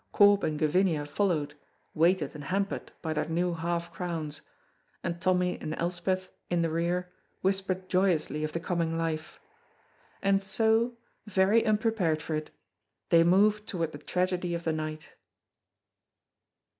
Corp and Gavinia followed, weighted and hampered by their new half crowns, and Tommy and Elspeth, in the rear, whispered joyously of the coming life. And so, very unprepared for it, they moved toward the tragedy of the night.